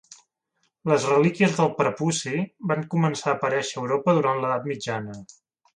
Les relíquies del prepuci van començar a aparèixer a Europa durant l'edat mitjana.